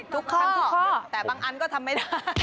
ทุกครั้งแต่บางอันก็ทำไม่ได้